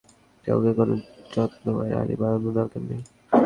কাউকে কোন যত্ন বা রাণী বানানোর দরকার নেই।